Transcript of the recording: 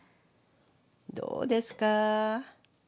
どうですか。